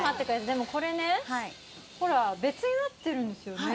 でも、これね、ほら、別になってるんですよね。